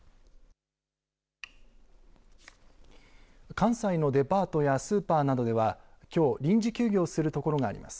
関西のデパートやスーパーなどではきょう臨時休業するところがあります。